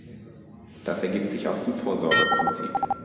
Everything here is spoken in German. Das ergibt sich aus dem Vorsorgeprinzip.